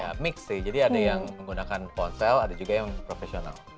ya mix sih jadi ada yang menggunakan ponsel ada juga yang profesional